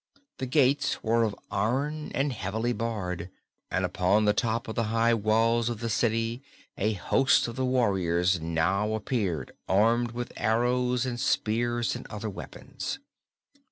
The gates were of iron and heavily barred, and upon the top of the high walls of the city a host of the warriors now appeared armed with arrows and spears and other weapons.